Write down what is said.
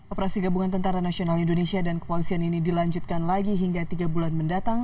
operasi gabungan tentara nasional indonesia dan kepolisian ini dilanjutkan lagi hingga tiga bulan mendatang